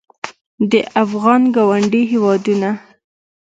د افغانستان ګاونډي هېوادونه